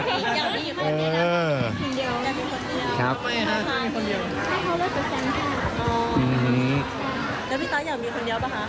ขออีกอย่างเองว่าแล้วก็อย่างเดียว